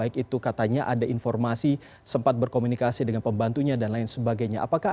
baik itu katanya ada informasi sempat berkomunikasi dengan pembantunya dan lain sebagainya